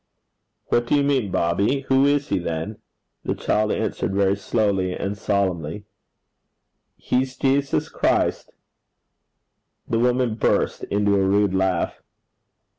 'What do you mean, Bobby? Who is he, then?' The child answered very slowly and solemnly, 'He's Jesus Christ.' The woman burst into a rude laugh.